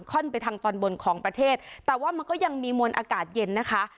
่อนไปทางตอนบนของประเทศแต่ว่ามันก็ยังมีมวลอากาศเย็นนะคะ